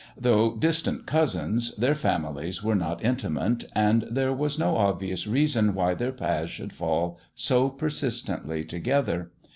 Though distant cousins, their families were not intimate, and there was no obvious reason why their paths should fall so persistently together.